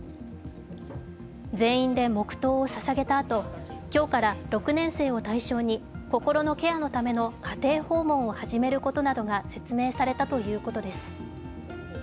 全員で黙とうをささげたあと、今日から６年生を対象に心のケアのための家庭訪問を始めることなどが説明されたということです。